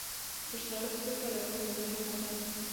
پر سړک پرته له کوم مزاحمته.